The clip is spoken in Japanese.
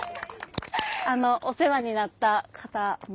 お世話になった方もいて。